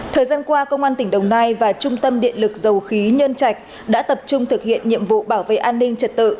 thời gian qua công an tỉnh đồng nai và trung tâm điện lực dầu khí nhân trạch đã tập trung thực hiện nhiệm vụ bảo vệ an ninh trật tự